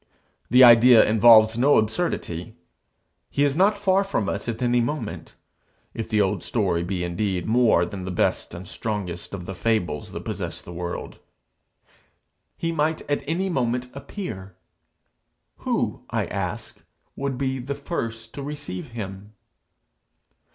The idea involves no absurdity. He is not far from us at any moment if the old story be indeed more than the best and strongest of the fables that possess the world. He might at any moment appear: who, I ask, would be the first to receive him?